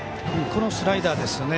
このスライダーですよね。